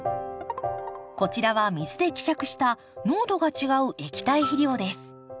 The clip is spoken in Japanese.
こちらは水で希釈した濃度が違う液体肥料です。